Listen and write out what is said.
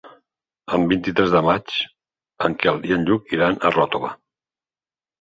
El vint-i-tres de maig en Quel i en Lluc iran a Ròtova.